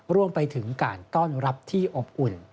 รวมไปถึงการต้อนรับที่อบอุ่น